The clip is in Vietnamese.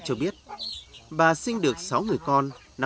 cho biết bà sinh được sáu người con